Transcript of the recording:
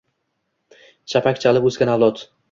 Chapak chalib oʼsgan avlod